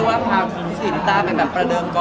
อเจมส์ออกไว้กับท่านเดิม